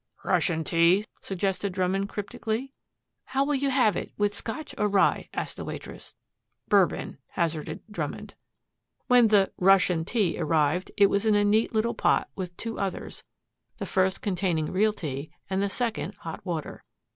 "Russian tea?" suggested Drummond cryptically. "How will you have it with Scotch or rye?" asked the waitress. "Bourbon," hazarded Drummond. When the "Russian tea" arrived it was in a neat little pot with two others, the first containing real tea and the second hot water.